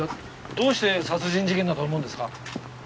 どうして殺人事件だと思うんですか？